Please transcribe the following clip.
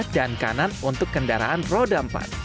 dan kanan untuk kendaraan roda empat